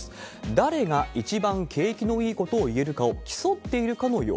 誰が一番景気のいいことを言えるかを競っているかのよう。